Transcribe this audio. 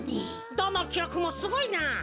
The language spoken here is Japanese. どのきろくもすごいな！